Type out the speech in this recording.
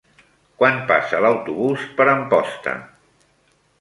Quan passa l'autobús per Amposta?